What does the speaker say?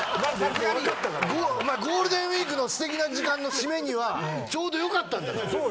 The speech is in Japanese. ゴールデンウイークのすてきな時間の締めにはちょうどよかったんだから。